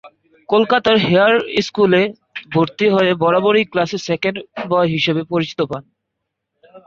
কলকাতার হেয়ার স্কুলে ভর্তি হয়ে বরাবরই ক্লাসের সেকেন্ড বয় হিসেবে পরিচিত পান।